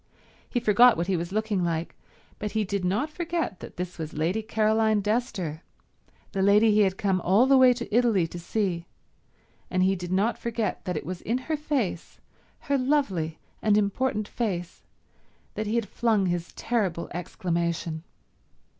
He forgot what he was looking like, but he did not forget that this was Lady Caroline Dester, the lady he had come all the way to Italy to see, and he did not forget that it was in her face, her lovely and important face, that he had flung his terrible exclamation.